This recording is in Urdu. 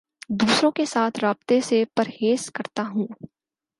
دوسروں کے ساتھ رابطے سے پرہیز کرتا ہوں